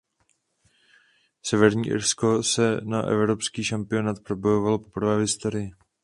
Severní Irsko se na evropský šampionát probojovalo poprvé v historii.